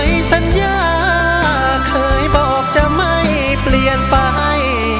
สัญญาเคยบอกจะไม่เปลี่ยนไป